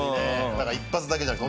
だから一発だけじゃなくて。